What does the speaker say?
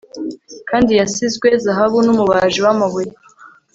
kandi yasizwe zahabu n'umubaji w'amabuye